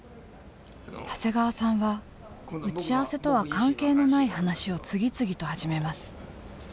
長谷川さんは打ち合わせとは関係のない話を次々と始めます。